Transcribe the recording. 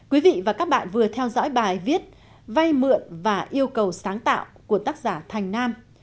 quý vị và các bạn vừa theo dõi bài viết vay mượn và yêu cầu sáng tạo của tác giả thành nam